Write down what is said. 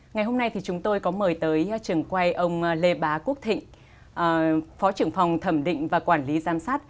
ngày hôm nay thì chúng tôi có mời tới trường quay ông lê bá quốc thị phó trưởng phòng thẩm định và quản lý giám sát